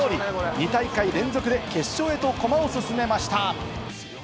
２大会連続で決勝へと駒を進めました。